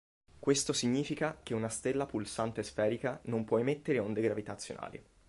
Questo significa che una stella pulsante sferica non può emettere onde gravitazionali.